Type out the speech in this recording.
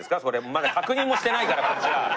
まだ確認もしてないからこっちは。